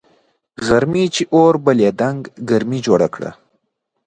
غرمې چي اور بلېدنگ ګرمي جوړه که